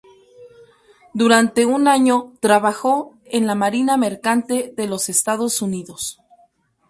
Durante un año trabajó en la Marina Mercante de los Estados Unidos.